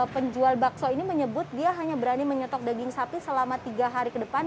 penjual bakso ini menyebut dia hanya berani menyetok daging sapi selama tiga hari ke depan